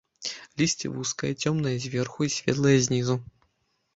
Лісце вузкае, цёмнае зверху і светлае знізу.